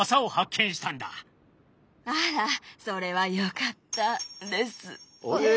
あらそれはよかったですね。